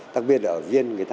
đặc biệt là ở viên người ta